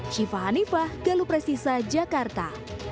saya mbak hanifah gelup resisa jakarta